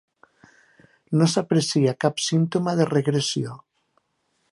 No s'aprecia cap símptoma de regressió.